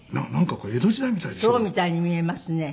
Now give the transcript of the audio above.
そうみたいに見えますね。